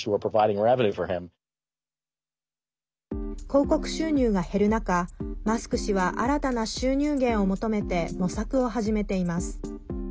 広告収入が減る中マスク氏は新たな収入源を求めて模索を始めています。